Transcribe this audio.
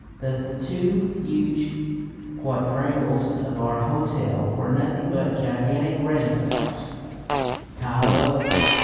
Thus the two huge quadrangles of our hotel were nothing but gigantic reservoirs tiled over.